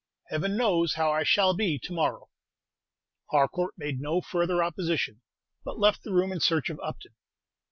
Heaven knows how I shall be to morrow." Harcourt made no further opposition, but left the room in search of Upton.